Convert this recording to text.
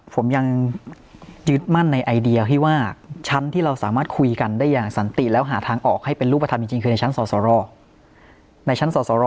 ผมยังยึดมั่นในไอเดียที่ว่าชั้นที่เราสามารถคุยกันได้อย่างสันติแล้วหาทางออกให้เป็นรูปธรรมจริงคือในชั้นสอสรในชั้นสอสร